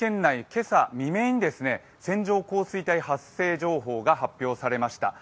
今朝未明に線状降水帯発生情報が発表されました。